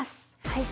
はい。